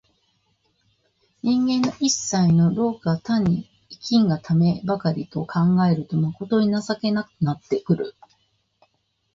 人間の一切の労苦が単に生きんがためばかりと考えると、まことに情けなくなってくる。